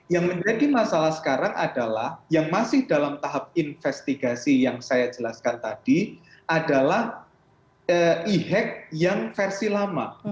yang menjadi masalah sekarang adalah yang masih dalam tahap investigasi yang saya jelaskan tadi adalah e hack yang versi lama